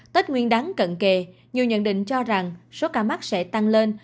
tết nguyên đáng cận kề nhiều nhận định cho rằng số ca mắc sẽ tăng lên